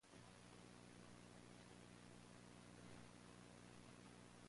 He was ordered to suspend operations for a year.